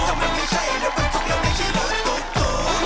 ก็มันไม่ใช่รถบทุกข์และไม่ใช่รถตุ๊กตุ๊ก